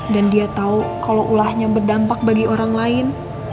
dan dia tahu kalau ulahnya berdampak bagi orang lain